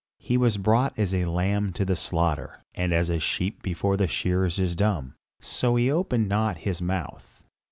He was brought as a lamb to the slaughter, and as a sheep before her shearers is dumb, so he opened not his mouth.